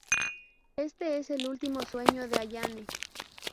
Éste es último sueño de Ayane.